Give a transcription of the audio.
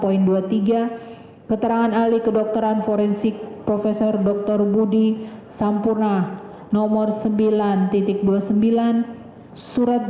poin dua puluh tiga keterangan ahli kedokteran forensik prof dr budi sampurna nomor sembilan dua puluh sembilan surat